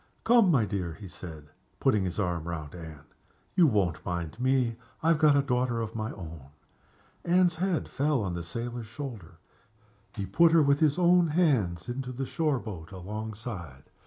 "Come, my dear," he said, putting his arm round Anne; "you won't mind me! I have got a daughter of my own." Anne's head fell on the sailor's shoulder. He put her, with his own hands, into the shore boat alongside.